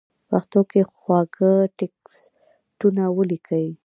پښتو کې خواږه ټېکسټونه وليکئ!!